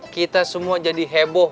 kita semua jadi heboh